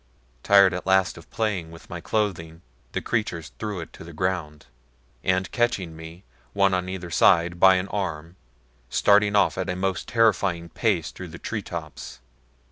Tired at last of playing with my clothing the creatures threw it to the ground, and catching me, one on either side, by an arm, started off at a most terrifying pace through the tree tops.